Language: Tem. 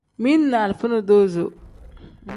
Mili ni alifa nodozo.